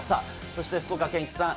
福岡堅樹さん。